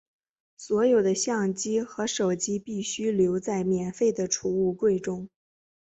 所有的相机和手机必须留在免费的储物柜中。